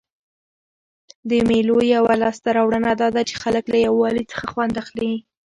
د مېلو یوه لاسته راوړنه دا ده، چي خلک له یووالي څخه خوند اخلي.